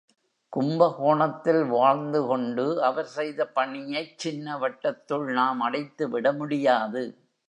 கும்பகோணத்தில் வாழ்ந்து கொண்டு அவர் செய்த பணியைச் சின்ன வட்டத்துள் நாம் அடைத்து விடமுடியாது.